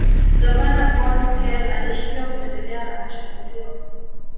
Gavana von Schele alishindwa kuendelea na mashambulio